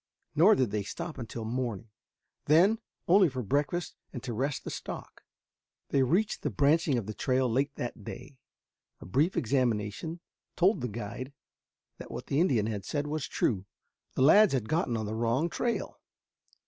Nor did they stop until morning. Then only for breakfast and to rest the stock. They reached the branching of the trail late that day. A brief examination told the guide that what the Indian had said was true. The lads had gotten on the wrong trail.